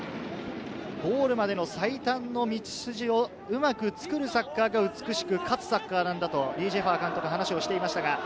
ゴールまでの最短の道筋をうまく作るサッカーが美しく勝つサッカーなんだと李済華監督が話しをしていました。